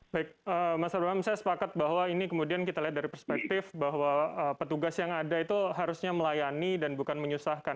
baik mas abraham saya sepakat bahwa ini kemudian kita lihat dari perspektif bahwa petugas yang ada itu harusnya melayani dan bukan menyusahkan